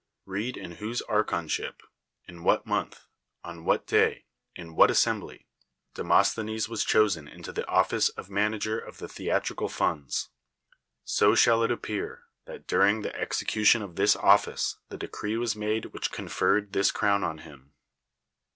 Rvad in whose archonship, in what month, on what day, in what assembly, Demosthen(>s was chosen into the office of mana ger of the theatrical funds. So shall it appear, that during tlie execution of this office the de cree was made which conferred this crown on him.